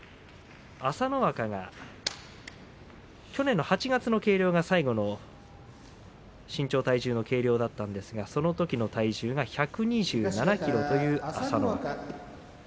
朝乃若が去年の８月の計量が最後の身長、体重の計量だったんですがそのときが１２７ｋｇという朝乃若。